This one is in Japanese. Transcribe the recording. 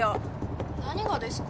何がですか？